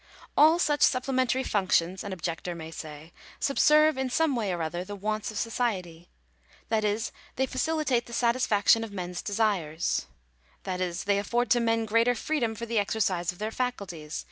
All such supplementary functions, an objector may say, subserve in some way or other the wants of society ; that is, they facilitate the satisfaction of men's desires ; that is, they afford to men greater freedom for the exercise of their faculties.